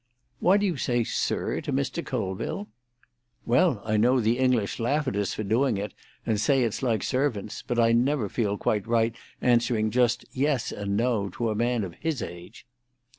"Why do you say 'Sir' to Mr. Colville?" "Well, I know the English laugh at us for doing it, and say it's like servants; but I never feel quite right answering just 'Yes' and 'No' to a man of his age."